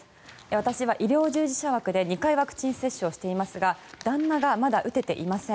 私は医療従事者枠で２回ワクチン接種をしていますが旦那がまだ打てていません。